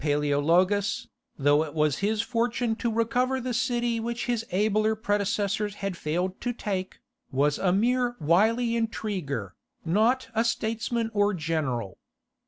_) Michael Paleologus, though it was his fortune to recover the city which his abler predecessors had failed to take, was a mere wily intriguer, not a statesman or general.